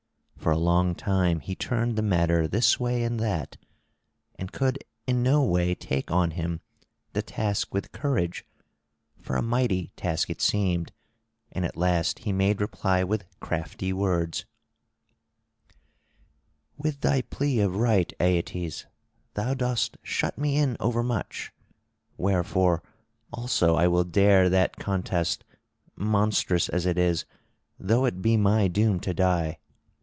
For a long time he turned the matter this way and that, and could in no way take on him the task with courage, for a mighty task it seemed; and at last he made reply with crafty words: "With thy plea of right, Aeetes, thou dost shut me in overmuch. Wherefore also I will dare that contest, monstrous as it is, though it be my doom to die.